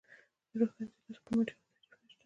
د روښانتیا داسې کوم منجمد تعریف نشته.